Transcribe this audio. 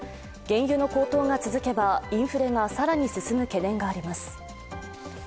原油の高騰が続けば、インフレが更に進む懸念があります。